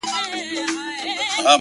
ستا د ميني پـــه كـــورگـــي كـــــي!